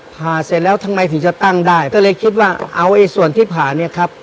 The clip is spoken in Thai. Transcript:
ผ่าเสร็จแล้วทำไมถึงจะตั้งได้ก็เลยคิดว่าเอาไอ้ส่วนที่ผ่าเนี่ยครับ